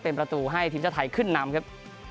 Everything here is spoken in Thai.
เป็นประตูให้ทีมชาติไทยขึ้นนำครับ